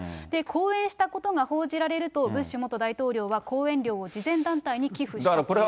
講演したことが報じられると、ブッシュ元大統領は講演料を慈善団体に寄付していたと。